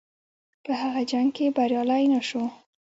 په هغه جنګ کې بریالی نه شو.